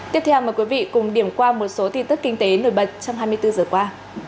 tiếp theo mời quý vị cùng điểm qua một số tin tức kinh tế nổi bật trong hai mươi bốn giờ qua